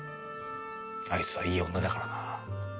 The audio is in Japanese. あいつはいい女だからな。